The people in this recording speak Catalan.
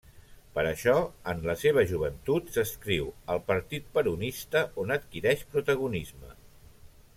Per això, en la seva joventut, s'adscriu al Partit Peronista, on adquireix protagonisme.